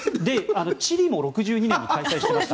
チリも６２年に開催してました。